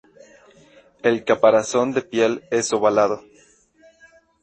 El caparazón de piel es ovalado.